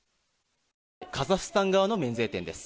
カザフスタン側の免税店です。